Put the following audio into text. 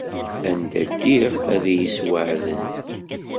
Anda ddiɣ ad yi-yesweεden.